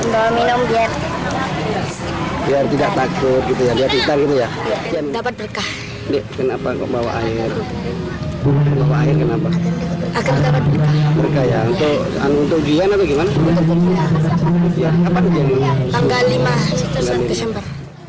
karena menjelang ujian agar ujiannya mendapatkan